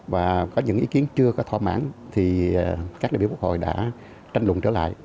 và có những ý kiến chưa có thỏa mãn thì các đại biểu quốc hội đã tranh luận trở lại